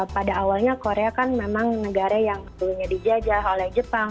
pada awalnya korea kan memang negara yang dulunya dijajah oleh jepang